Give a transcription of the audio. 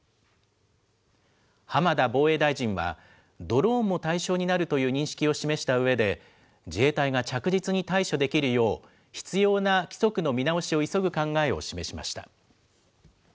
浜田防衛大臣は、ドローンも対象になるという認識を示したうえで、自衛隊が着実に対処できるよう、必要な規則の見直しを急ぐ考えを示しました。